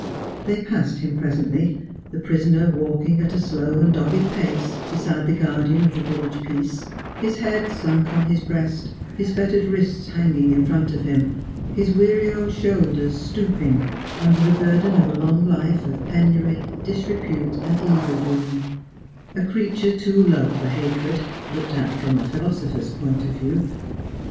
They passed m'm presently, the prisoner walking at a slow and dogged pace beside the guardian of the village peace, his head sunk on his breast, his fettered wrists hanging in front of him, his weary old shoulders stooping under the burden of a long life of penury, disrepute, and evil doing ; a creature too low for hatred, looked at from a philosopher's point of view.